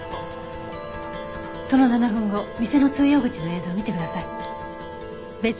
その７分後店の通用口の映像を見てください。